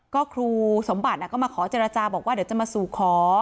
ก็ครูสมบัติก็มาขอเจรจาบอกว่าเดี๋ยวจะมาสู่ขอ